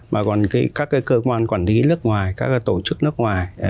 mà còn các cơ quan quản lý nước ngoài các tổ chức nước ngoài